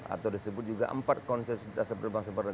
atau disebut juga empat konsentrasi berbangsa berdampak